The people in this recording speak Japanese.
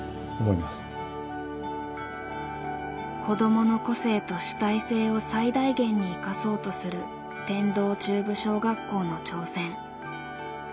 子どもの個性と主体性を最大限に生かそうとする天童中部小学校の挑戦。